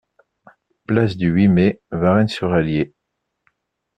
Place du huit Mai, Varennes-sur-Allier